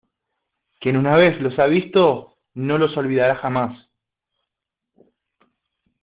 quien una vez los ha visto, no los olvidará jamás.